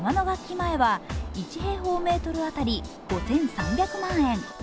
楽器前は、１平方メートル当たり５３００万円。